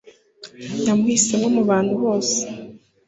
yamuhisemo mu bantu bose